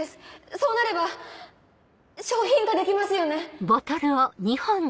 そうなれば商品化できますよね。